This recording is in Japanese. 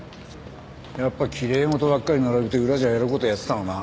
やっぱきれい事ばっかり並べて裏じゃやる事やってたのな。